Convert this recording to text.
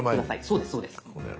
そうですそうです。